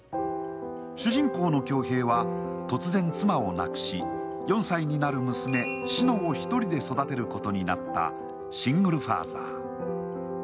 主人公の恭平は突然、妻を亡くし、４歳になる娘・志乃を一人で育てることになったシングルファーザー。